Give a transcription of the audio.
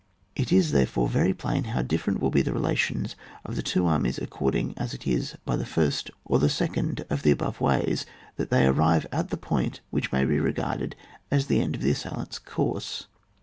It is therefore very plain how different will be the relations of two armies ac cording as it is by the first or the second of the above ways, that they arrive at that point which may be regarded as the end of the assailant's course.